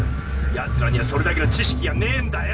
奴らにはそれだけの知識がねえんだよ！